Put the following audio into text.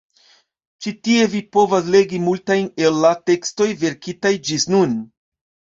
Ĉi tie vi povas legi multajn el la tekstoj verkitaj ĝis nun.